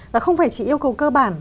và không phải chỉ yêu cầu cơ bản